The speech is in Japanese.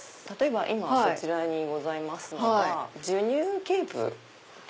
今そちらにございますのが授乳ケープで。